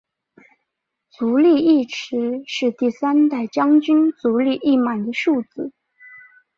足利义持是第三代将军足利义满的庶子。